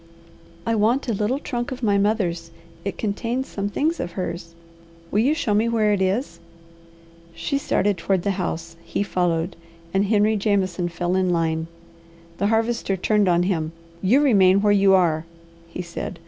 "I want a little trunk of my mother's. It contains some things of hers." "Will you show me where it is?" She started toward the house; he followed, and Henry Jameson fell in line. The Harvester turned on him. "You remain where you are," he said.